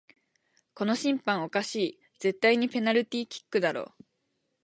この審判おかしい、絶対にペナルティーキックだろ